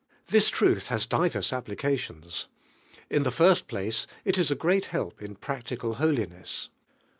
This truth has divers appli cations. Id the first place, it is a great help in practical holiness.